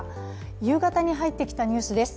夕方に入ってきたニュースです。